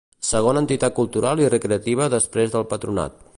Segona entitat cultural i recreativa després del Patronat.